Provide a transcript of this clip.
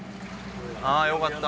ああよかった。